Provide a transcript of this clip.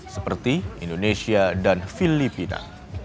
seperti indonesia dan filipina